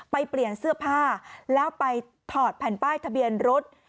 เปลี่ยนเสื้อผ้าแล้วไปถอดแผ่นป้ายทะเบียนรถ